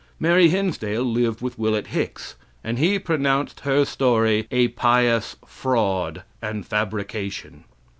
Mary Hinsdale lived with Willet Hicks, and he pronounced her story a pious fraud and fabrication.